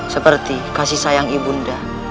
seperti kasih sayang ibunda